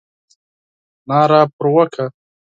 ناره پر وکړه.